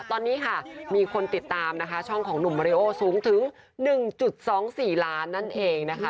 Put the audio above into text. ตอนนี้ค่ะมีคนติดตามนะคะช่องของหนุ่มมาริโอสูงถึง๑๒๔ล้านนั่นเองนะคะ